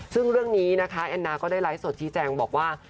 ซึ่งเรื่องนี้นะคะแอนนาก็ได้ไลฟ์สดชี้แจงบอกว่า